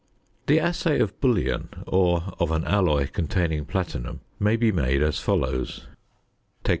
The assay of bullion, or of an alloy containing platinum, may be made as follows: Take 0.